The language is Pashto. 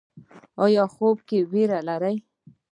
ایا خوب کې ویره لرئ؟